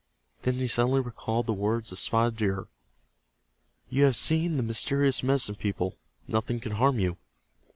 Then he suddenly recalled the words of Spotted Deer, "You have seen the mysterious Medicine People. Nothing can harm you.